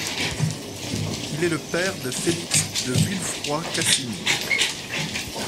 Il est le père de Félix de Vuillefroy-Cassini.